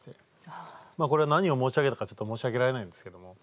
まあこれ何を申し上げたかちょっと申し上げられないんですけども。